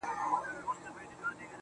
يو ليك.